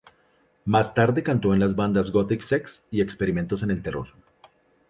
Más tarde cantó en las bandas Gothic Sex y Experimentos en el Terror.